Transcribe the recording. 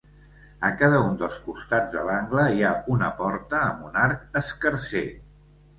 A cada un dels costats de l'angle hi ha una porta amb un arc escarser.